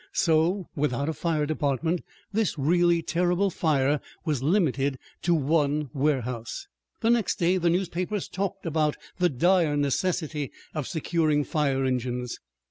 So, without a fire department, this really terrible fire was limited to one warehouse! The next day the newspapers talked about the "dire necessity" of securing fire engines.